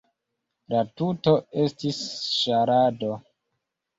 La tuto estis ŝarado.